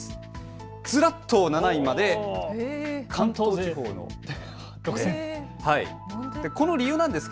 ずらっと７位まで関東地方なんです。